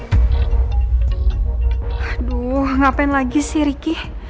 aduh ngapain lagi sih ricky